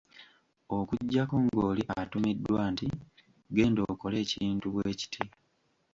Okuggyako ng’oli atumiddwa nti genda okole ekintu bwekiti.